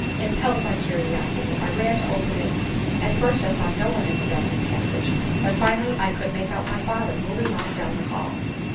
Impelled by curiosity I ran to open it At first I saw no one in the darkened passage, but finally I could make out my father moving off down the hall.